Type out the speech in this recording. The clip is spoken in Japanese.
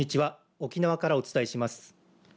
沖縄からお伝えします。